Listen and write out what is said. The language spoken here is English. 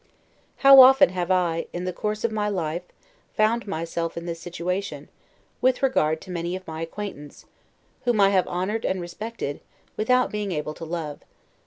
How often have I, in the course of my life, found myself in this situation, with regard to many of my acquaintance, whom I have honored and respected, without being able to love.